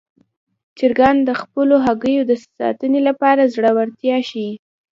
چرګان د خپلو هګیو د ساتنې لپاره زړورتیا ښيي.